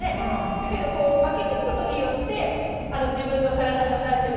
だけどこう巻きつくことによって自分の体支えてる。